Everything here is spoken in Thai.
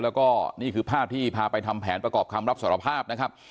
แล้วก็นี่คือภาพที่พาไปทำแผนประกอบคำรับสารภาพนะครับ